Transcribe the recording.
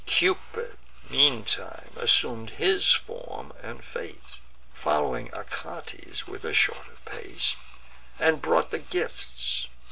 Cupid meantime assum'd his form and face, Foll'wing Achates with a shorter pace, And brought the gifts.